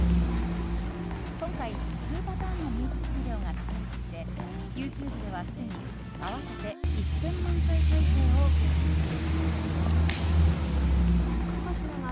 今回、２パターンのミュージックビデオが作られていてＹｏｕＴｕｂｅではすでに合わせて１０００万回再生を超えている。